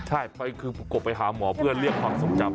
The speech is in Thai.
ใช่ไปคือประกบไปหาหมอเพื่อเรียกความทรงจำ